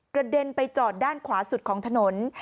เด็นไปจอดด้านขวาสุดของถนน